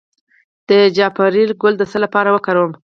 د جعفری ګل د څه لپاره وکاروم؟